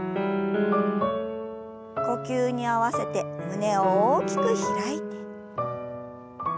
呼吸に合わせて胸を大きく開いて。